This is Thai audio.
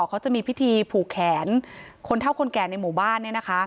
เขาจะมีพิธีผูกแขนคนเท่าคนแก่ในหมู่บ้านเนี่ยนะคะ